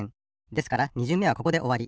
ですから２じゅんめはここでおわり。